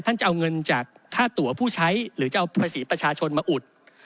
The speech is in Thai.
จะเอาเงินจากค่าตัวผู้ใช้หรือจะเอาภาษีประชาชนมาอุด